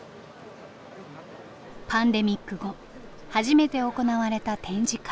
パンデミック後初めて行われた展示会。